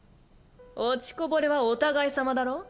落ちこぼれはお互いさまだろ。